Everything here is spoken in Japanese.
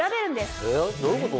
えっ？どういうこと？